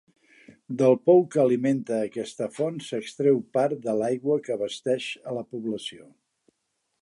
Del pou que alimenta aquesta font s'extreu part de l'aigua que abasteix a la població.